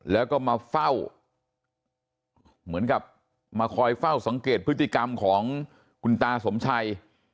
แล้วก็มาเฝ้าเหมือนกับมาคอยเฝ้าสังเกตพฤติกรรมของคุณตาสมชัย